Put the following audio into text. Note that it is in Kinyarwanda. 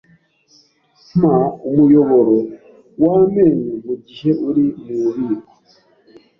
Mpa umuyoboro wamenyo mugihe uri mububiko.